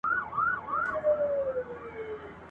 تور او سور زرغون کفن مي جهاني در څخه غواړم !.